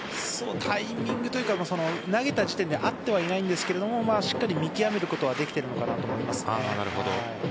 タイミングというか投げた時点で合ってはいないんですがしっかり見極めることはできているのかなと思います。